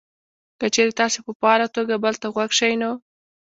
که چېرې تاسې په فعاله توګه بل ته غوږ شئ نو: